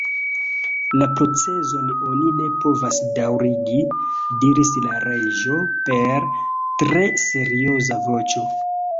"La proceson oni ne povas daŭrigi," diris la Reĝo per tre serioza voĉo.